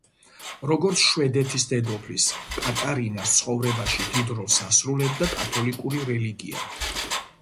როგორც შვედეთის დედოფლის, კატარინას ცხოვრებაში დიდ როლს ასრულებდა კათოლიკური რელიგია.